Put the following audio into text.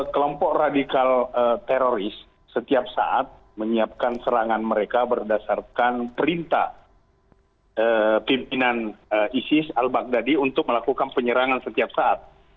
kelompok radikal teroris setiap saat menyiapkan serangan mereka berdasarkan perintah pimpinan isis al baghdadi untuk melakukan penyerangan setiap saat